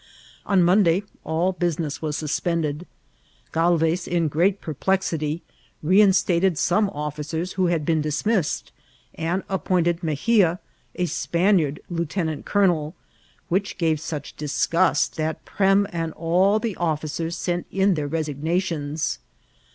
On Monday all business was suspended. Galvez, in great perplexity, reinstated some officers who had been dismissed, and appointed Mexia, a Spaniard, lieutenant colonel ; which gave such disgust that Prem and all the officers sent in their res ignations.